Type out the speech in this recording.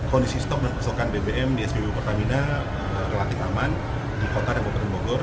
kondisi stok dan pasokan bbm di spbu pertamina relatif aman di kota republik bogor